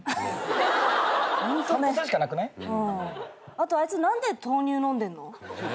あとあいつ何で豆乳飲んでんの？